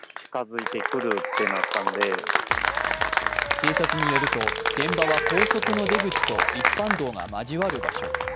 警察によると、現場は高速の出口と一般道が交わる場所。